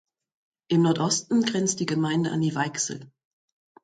Im Nordosten grenzt die Gemeinde an die Weichsel.